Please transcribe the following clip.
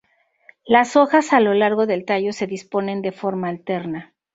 Las hojas a lo largo del tallo se disponen de forma alterna.